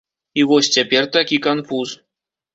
І вось цяпер такі канфуз.